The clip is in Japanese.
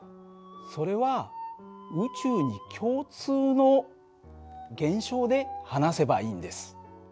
それは宇宙に共通の現象で話せばいいんです。